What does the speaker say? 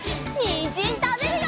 にんじんたべるよ！